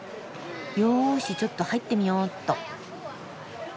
よしちょっと入ってみよっと。